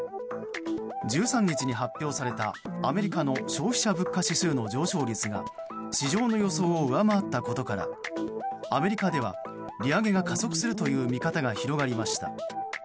１３日に発表されたアメリカの消費者物価指数の上昇率が市場の予想を上回ったことからアメリカでは利上げが加速するという見方が広がりました。